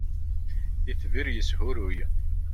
Itbir yeshuruy.